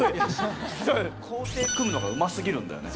行程組むのがうますぎるんだよね。